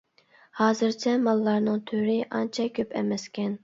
ھازىرچە ماللارنىڭ تۈرى ئانچە كۆپ ئەمەسكەن.